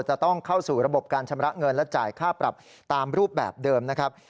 จะต้องเข้าสู่ระบบการชำระเงินและจ่ายค่าปรับตามรูปแบบเดิมนะครับ